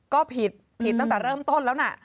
ก็ผิดผิดตั้งแต่เริ่มต้นแล้วนะ